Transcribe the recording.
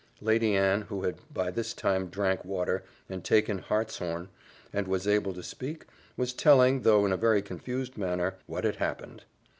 Lady Anne, who had by this time drank water, and taken hartshorn, and was able to speak, was telling, though in a very confused manner, what had happened.